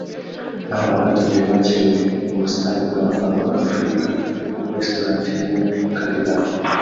naho abatumiwe bakirirwe mu busitani bwa Mama Africa Restaurant (New Cadillac)